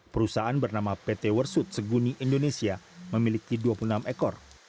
perusahaan bernama pt wersut seguni indonesia memiliki dua puluh enam ekor